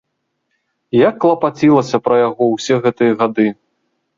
Як клапацілася пра яго ўсе гэтыя гады!